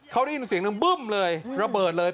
เขาได้ยินเสียงหนึ่งบึ้มเลยระเบิดเลย